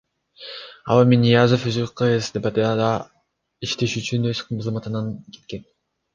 Ал эми Ниязов өзү КСДПда иштеш үчүн өз кызматынан кеткен.